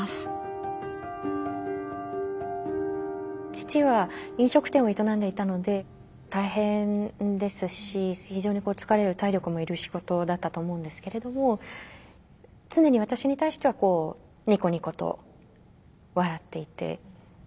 父は飲食店を営んでいたので大変ですし非常に疲れる体力もいる仕事だったと思うんですけれども常に私に対してはニコニコと笑っていて。